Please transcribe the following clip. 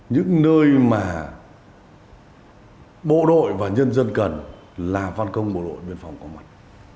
những nơi mà bộ đội và nhân dân cần là văn công bộ đội biên phòng có mặt